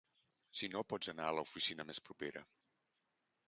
Si no pots anar a l'oficina més propera.